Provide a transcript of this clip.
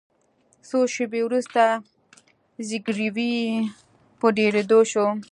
څو شیبې وروسته زګیروي په ډیریدو شو.